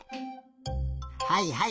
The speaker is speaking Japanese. はいはい。